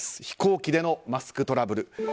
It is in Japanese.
飛行機でのマスクトラブル。